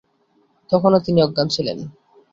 তখনও তিনি অজ্ঞান ছিলেন।